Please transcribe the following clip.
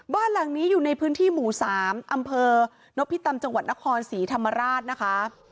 บ้านหลังนี้อยู่ในพื้นที่หมู่๓อำเภอนพิตำจังหวัดนครศรีธรรมราชนะคะ